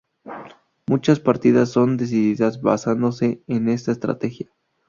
Muchas partidas son decididas basándose en esta estrategia.